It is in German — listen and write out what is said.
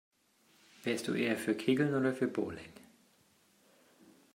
Wärst du eher für Kegeln oder für Bowling?